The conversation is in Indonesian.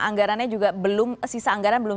anggarannya juga belum sisa anggaran belum